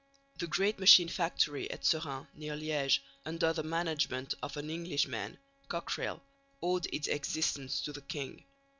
The great machine factory at Seraing near Liège under the management of an Englishman, Cockerill, owed its existence to the king.